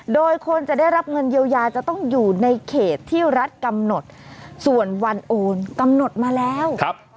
โดยคนจะได้รับเงินเยียวยาจะต้องอยู่ในเขตที่รัฐกำหนดส่วนวันโอนกำหนดมาแล้วครับ